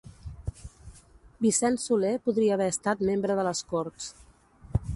Vicent Soler podria haver estat membre de les Corts